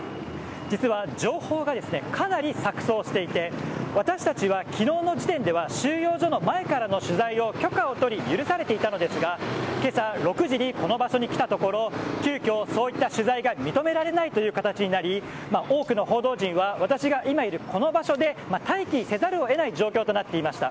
実は、情報がかなり錯綜していて私たちは、昨日の時点では収容所の前からの取材を許可を取り許されていたのですがけさ６時にこの場所に来たところ急きょ、そういった取材が認められない形になり多くの報道陣は私が今いるこの場所で待機せざるを得ない状況となっていました。